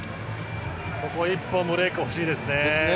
ここで１本ブレークが欲しいですね。